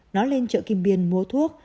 nó lên chợ kim biên mua thuốc